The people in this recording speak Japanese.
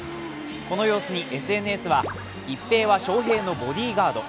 この様子にＳＮＳは一平は翔平のボディーガード。